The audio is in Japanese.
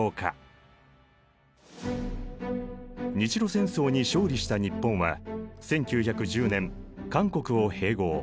日露戦争に勝利した日本は１９１０年韓国を併合。